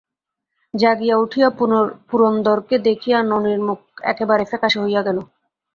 জাগিয়া উঠিয়া পুরন্দরকে দেখিয়া ননির মুখ একেবারে ফ্যাকাশে হইয়া গেল।